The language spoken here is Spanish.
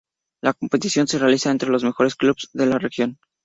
La competición se realiza entre los mejores clubes de la región.